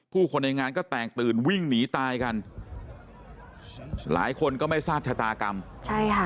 คนในงานก็แตกตื่นวิ่งหนีตายกันหลายคนก็ไม่ทราบชะตากรรมใช่ค่ะ